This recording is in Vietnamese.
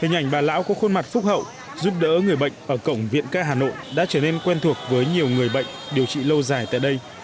hình ảnh bà lão có khuôn mặt phúc hậu giúp đỡ người bệnh ở cổng viện k hà nội đã trở nên quen thuộc với nhiều người bệnh điều trị lâu dài tại đây